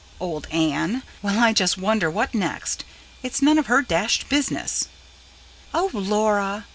'" "Old Anne? Well, I just wonder what next! It's none of her dashed business." "Oh, Laura!"